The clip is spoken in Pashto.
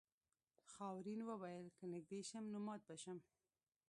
خاورین وویل که نږدې شم نو مات به شم.